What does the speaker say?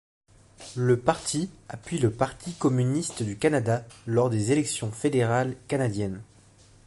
Le parti appuie le Parti communiste du Canada lors des élections fédérales canadiennes.